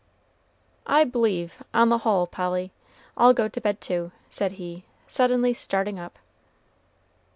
"I b'lieve, on the hull, Polly, I'll go to bed, too," said he, suddenly starting up.